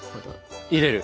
入れる。